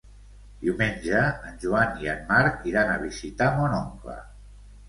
Diumenge en Joan i en Marc iran a visitar mon oncle.